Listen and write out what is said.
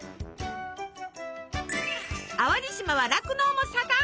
淡路島は酪農も盛ん。